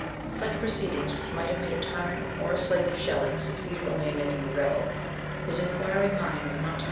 Such proceedings which might have made a tyrant or a slave of Shelley succeeded only in making a rebel; his inquiring mind was not to be SHELLEY.